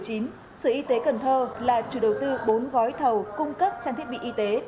từ năm hai nghìn một mươi bảy đến năm hai nghìn một mươi chín sở y tế cần thơ là chủ đầu tư bốn gói thầu cung cấp trang thiết bị y tế